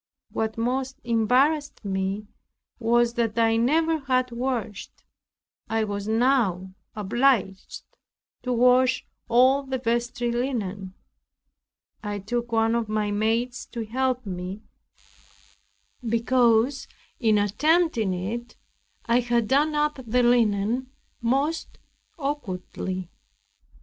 What most embarrassed me was that I never had washed. I was now obliged to wash all the vestry linen. I took one of my maids to help me, because in attempting it I had done up the linen most awkwardly.